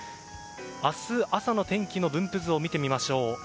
明日朝の天気の分布図を見てみましょう。